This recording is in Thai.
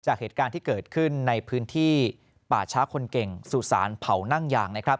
เหตุการณ์ที่เกิดขึ้นในพื้นที่ป่าช้าคนเก่งสุสานเผานั่งยางนะครับ